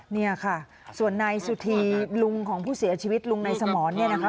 เนี่ยค่ะส่วนนายสุธีลุงของผู้เสียชีวิตลุงในสมรเนี่ยนะคะ